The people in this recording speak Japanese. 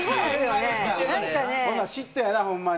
ほんなら嫉妬やなホンマに。